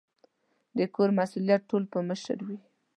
د کور مسؤلیت ټول په مشر وي